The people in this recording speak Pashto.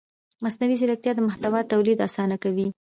مصنوعي ځیرکتیا د محتوا تولید اسانه کوي.